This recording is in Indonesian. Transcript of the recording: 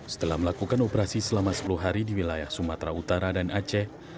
setelah melakukan operasi selama sepuluh hari di wilayah sumatera utara dan aceh